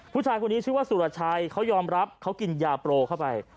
ผู้ชายคนนี้ชื่อว่าสุรชัยเขายอมรับเขากินยาโปรเข้าไป